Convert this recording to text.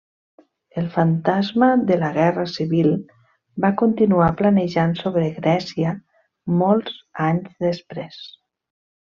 El fantasma de la guerra civil va continuar planejant sobre Grècia molts anys després.